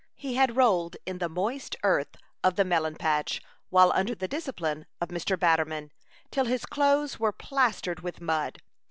He had rolled in the moist earth of the melon patch, while under the discipline of Mr. Batterman, till his clothes were plastered with mud.